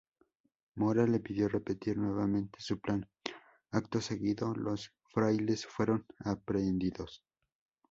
Mora le pidió repetir nuevamente su plan, acto seguido, los frailes fueron aprehendidos.